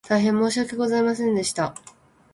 大変申し訳ございませんでした